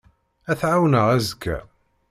Ad t-ɛawneɣ azekka.